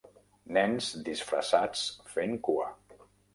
Nens disfressats fent cua.